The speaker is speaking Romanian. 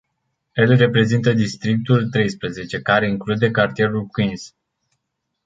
El reprezintă districtul treisprezece, care include cartierul Queens.